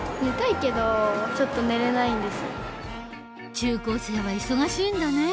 中高生は忙しいんだね。